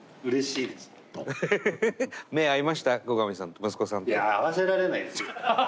いや合わせられないですよ。